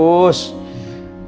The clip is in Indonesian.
mantep sekali kang gus